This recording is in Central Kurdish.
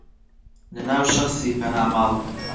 لەناو شەخسی پەنا ماڵ